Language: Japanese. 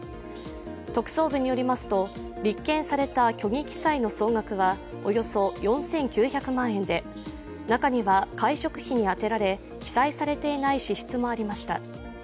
特捜部によりますと立件された虚偽記載の総額はおよそ４９００万円で中には会食費に充てられ記載されていない支出もありました。